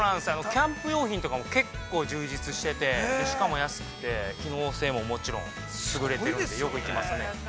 キャンプ用品とかも、結構充実してて、しかも安くて、機能性も、もちろんすぐれてるんでよく行きますね。